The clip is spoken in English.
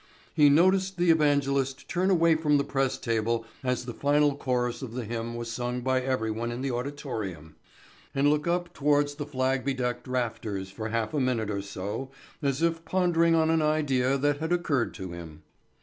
He noticed the evangelist turn away from the press table as the final chorus of the hymn was sung by everyone in the auditorium and look up towards the flag bedecked rafters for a half minute or so as if pondering on an idea that had occurred to him.